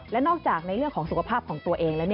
และนอกจากในเรื่องของสุขภาพของตัวเองแล้ว